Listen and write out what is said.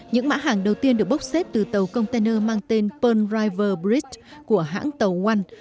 những mã hàng đầu tiên được bốc xếp từ tàu container mang tên pearl river bridge của hãng tàu wal